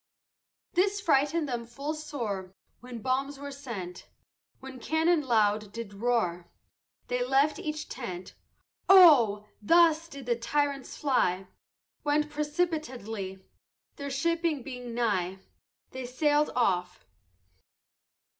This frighted them full sore When bombs were sent, When cannon loud did roar They left each tent: Oh! thus did the tyrants fly, Went precipitately, Their shipping being nigh, They sailed off.